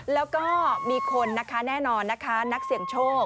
แล้วก็มีคนนะคะแน่นอนนะคะนักเสี่ยงโชค